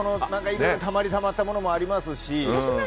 いろいろたまりにたまったものもありますし。